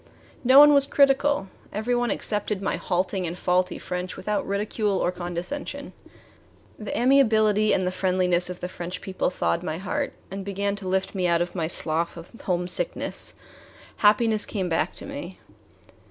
No one was critical. Every one accepted my halting and faulty French without ridicule or condescension. The amiability and the friendliness of the French people thawed my heart and began to lift me out of my slough of homesickness. Happiness came back to me.